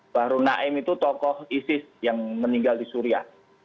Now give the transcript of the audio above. bahru naim itu tokoh isis yang meninggal di suriah